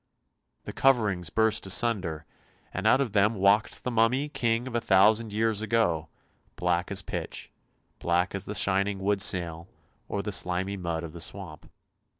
The coverings burst asunder, and out of them walked the mummy king of a thousand years ago, black as pitch, black as the shining wood snail or the slimy mud of the swamp.